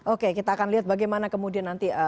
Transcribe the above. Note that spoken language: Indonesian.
oke kita akan lihat bagaimana kemudian nanti